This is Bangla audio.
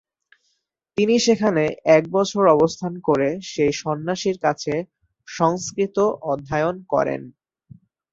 তিনি সেখানে এক বছর অবস্থান করে সেই সন্ন্যাসীর কাছে সংস্কৃত অধ্যয়ন করেন।